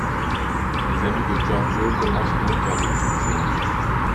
Les amis de Giorgio commencent donc à le soupçonner.